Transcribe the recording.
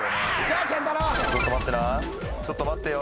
ちょっと待ってな。